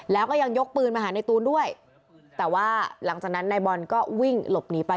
แล้วก็ยังยกปืนมาหาในตูนด้วยแต่ว่าหลังจากนั้นนายบอลก็วิ่งหลบหนีไป